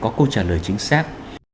có câu trả lời chính xác